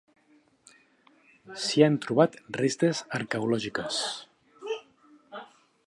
S'hi han trobat restes arqueològiques.